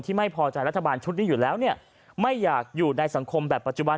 ไม่พอใจรัฐบาลชุดนี้อยู่แล้วเนี่ยไม่อยากอยู่ในสังคมแบบปัจจุบัน